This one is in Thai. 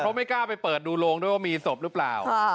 เพราะไม่กล้าไปเปิดดูโรงด้วยว่ามีศพหรือเปล่า